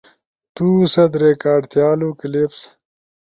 تو ست ریکارڈ تھیالو کلپس